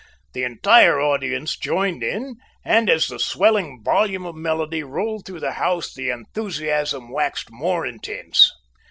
The entire audience joined in, and as the swelling volume of melody rolled through the house, the enthusiasm waxed more intense.